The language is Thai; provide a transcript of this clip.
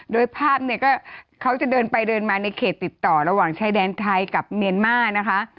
โดยภาพเนี่ยก็เขาจะเดินไปเดินมาในเขตติดต่อระหว่างชายแดนไทยกับเมียนมานะคะ